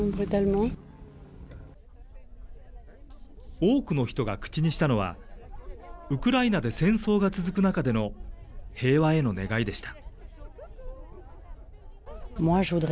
多くの人が口にしたのは、ウクライナで戦争が続く中での平和への願いでした。